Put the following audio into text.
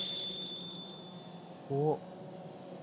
「おっ」